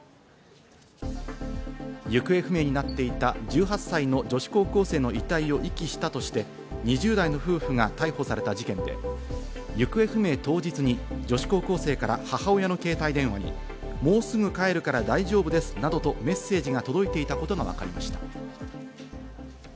行方不明になっていた１８歳の女子高校生の遺体を遺棄したとして２０代の夫婦が逮捕された事件で、行方不明当日に女子高校生から母親の携帯電話に「もうすぐ帰るから大丈夫です」などとメッセージが届いていたことがわかりました。